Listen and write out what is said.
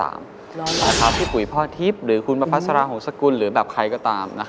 หรอค่ะพี่ปุ๋ยพ่อทิศหรือคุณปฟาสาราฮงสกุลหรือใครก็ตาม